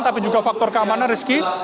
tapi juga faktor keamanan rizky